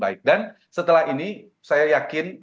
baik dan setelah ini saya yakin